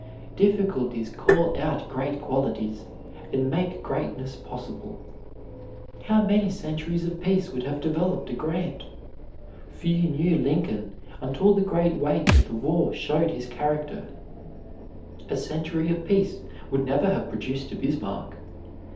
Difficulties call out great qualities, and make greatness possible. How many centuries of peace would have developed a Grant? Few knew Lincoln until the great weight of the war showed his character. A century of peace would never have produced a Bismarck.